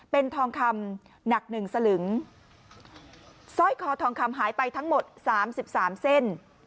เป็นทองคำหนักหนึ่งสลึงสร้อยคอทองคำหายไปทั้งหมดสามสิบสามเส้น